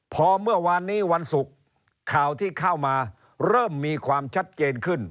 พอเมื่อวานนี้วันศุกร์ข่าวที่เข้ามาเริ่มมีความชัดเจนขึ้น